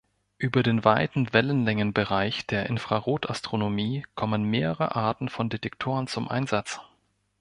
Über den weiten Wellenlängenbereich der Infrarotastronomie kommen mehrere Arten von Detektoren zum Einsatz.